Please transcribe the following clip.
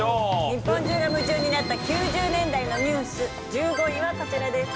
日本中が夢中になった９０年代のニュース１５位はこちらです。